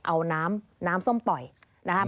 เอาน้ำน้ำส้มปล่อยนะครับ